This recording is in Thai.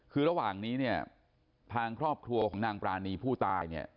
คือระหว่างนี้เนี่ยทางครอบครัวของนางปรานีผู้ตายเนี่ย